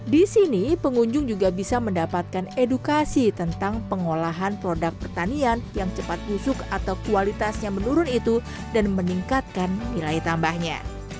di sini pengunjung juga bisa mendapatkan edukasi tentang pengolahan produk pertanian yang cepat busuk atau kualitasnya menurun itu dan meningkatkan nilai tambahnya